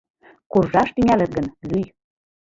Куржаш тӱҥалыт гын, лӱй.